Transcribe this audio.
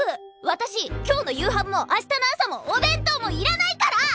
私今日の夕飯も明日の朝もお弁当もいらないから！